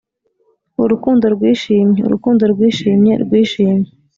urukundo rwishimye! urukundo rwishimye, rwishimye!